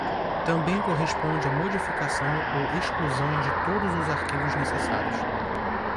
Também corresponde à modificação ou exclusão de todos os arquivos necessários.